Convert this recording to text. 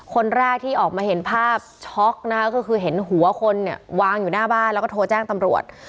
คนแรกที่ออกมาเห็นภาพช็อกนะคะก็คือเห็นหัวคนเนี่ยวางอยู่หน้าบ้านแล้วก็โทรแจ้งตำรวจ